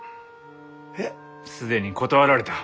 えっ？既に断られた。